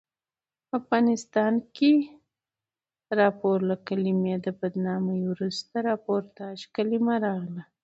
په افغانستان کښي راپور له کلمې د بدنامي وروسته راپورتاژ کلیمه راغله.